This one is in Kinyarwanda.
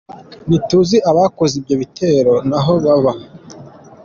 Ntituzi abakoze ivyo bitero naho baba.